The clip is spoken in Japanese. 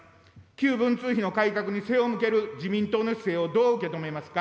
旧文通費の改革に背を向ける自民党の姿勢をどう受け止めますか。